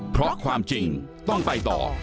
เพราะความจริงต้องไปต่อ